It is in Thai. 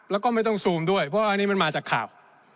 แล้วก็ไม่ต้องซูมด้วยเพราะว่าอันนี้มันมาจากข่าว